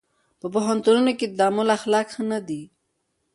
په پوهنتونونو کې د تعامل اخلاق ښه نه دي.